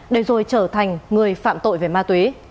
để rồi trở thành người phạm tội về ma túy